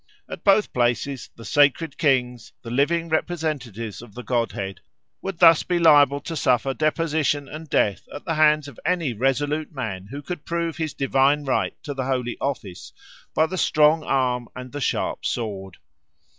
At both places the sacred kings, the living representatives of the godhead, would thus be liable to suffer deposition and death at the hand of any resolute man who could prove his divine right to the holy office by the strong arm and the sharp sword.